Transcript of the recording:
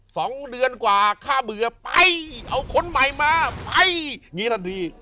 สองเดือนกว่าข้าเบื่อไปเอาคนใหม่มาไปงี้แหละดี